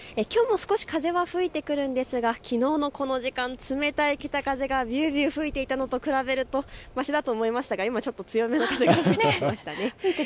きょうも少し風は吹いてくるんですが、きのうのこの時間、冷たい北風がびゅーびゅー吹いていたのと比べるとましだと思いましたが、今ちょっと強めの風が吹いてきましたね。